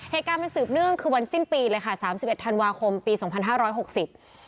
เหตุการณ์มันสืบเนื่องคือวันสิ้นปีเลยค่ะสามสิบเอ็ดธันวาคมปีสองพันห้าร้อยหกสิบ